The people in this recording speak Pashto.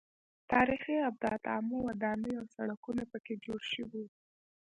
تاریخي ابدات عامه ودانۍ او سړکونه پکې جوړ شوي وو.